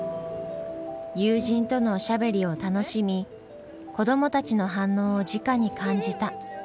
友人とのおしゃべりを楽しみ子どもたちの反応をじかに感じた下関の旅。